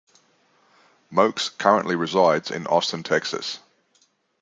Moakes currently resides in Austin, Texas.